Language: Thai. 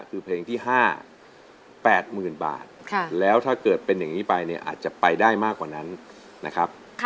คือเพลงที่ห้าแปดหมื่นบาทค่ะแล้วถ้าเกิดเป็นอย่างงี้ไปเนี่ยอาจจะไปได้มากกว่านั้นนะครับค่ะ